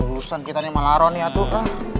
urusan kita nih malaron ya tuh